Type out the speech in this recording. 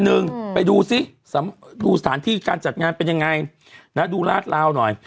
หนึ่งไปดูซิดูสถานที่การจัดงานเป็นยังไงนะดูลาดลาวหน่อย